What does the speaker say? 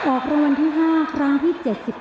ออกรางวัลที่๕ครั้งที่๗๘